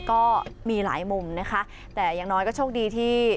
ก็มีหลายมุมนะคะแต่อย่างน้อยก็โชคดีที่